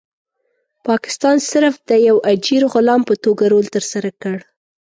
پاکستان صرف د یو اجیر غلام په توګه رول ترسره کړ.